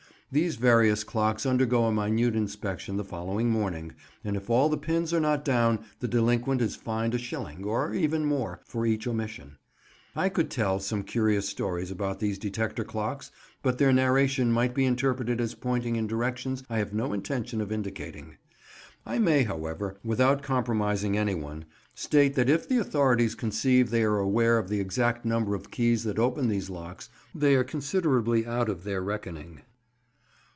These various clocks undergo a minute inspection the following morning, and if all the pins are not down the delinquent is fined a shilling, or even more, for each omission. I could tell some curious stories about these detector clocks, but their narration might be interpreted as pointing in directions I have no intention of indicating. I may, however, without compromising anyone, state that if the authorities conceive they are aware of the exact number of keys that open these clocks, they are considerably out of their reckoning.